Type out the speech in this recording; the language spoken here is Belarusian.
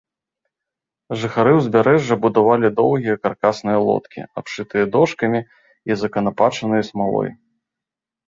Жыхары ўзбярэжжа будавалі доўгія каркасныя лодкі, абшытыя дошкамі і заканапачаныя смалой.